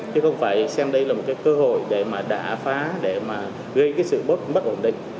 chứ không phải xem đây là một cái cơ hội để mà đã phá để mà gây cái sự bất ổn định